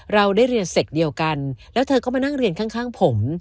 เราได้เรียนเสร็จเดียวกันแล้วเธอก็มานั่งเรียนข้างผม